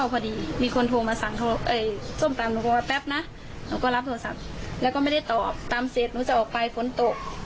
พี่เค้าเขาก็รับเอาว่าทำไมแพงจัง